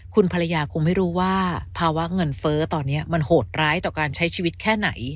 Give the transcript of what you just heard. คุณภรรยาคงไม่รู้ว่าภาวะเงินเฟ้อตอนนี้มันโหดร้ายต่อการใช้ชีวิตแค่ไหน